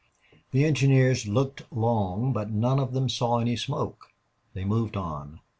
The engineers looked long, but none of them saw any smoke. They moved on.